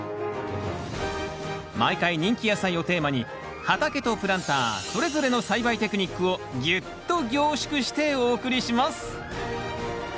毎回人気野菜をテーマに畑とプランターそれぞれの栽培テクニックをぎゅっと凝縮してお送りします。